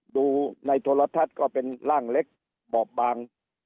ดูในโทรทัศน์ก็เป็นร่างเล็กบอบบาง